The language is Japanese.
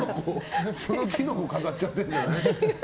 そのキノコ飾っちゃってるんじゃない？